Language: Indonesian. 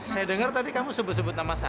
saya dengar tadi kamu sebut sebut nama saya